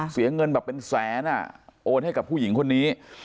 เสียเงินแบบเป็นแสนโอนให้กับผู้หญิงคนนี้